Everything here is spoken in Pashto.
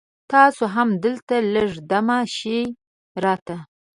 تاسو هم دلته لږ دمه شي را ته